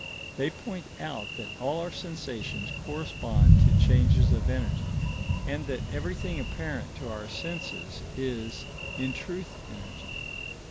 They point out that all our sensations correspond to changes of energy, and that everything apparent to our senses is, in truth, energy.